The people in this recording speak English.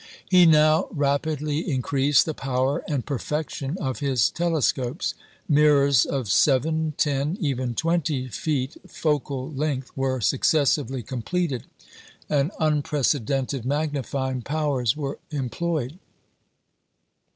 " He now rapidly increased the power and perfection of his telescopes. Mirrors of seven, ten, even twenty feet focal length, were successively completed, and unprecedented magnifying powers employed.